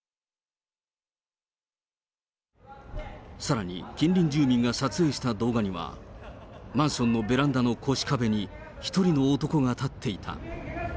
さらに、近隣住民が撮影した動画には、マンションのベランダのこしかべに１人の男が立っていた。